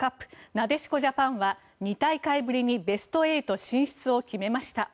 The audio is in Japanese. なでしこジャパンは２大会ぶりにベスト８進出を決めました。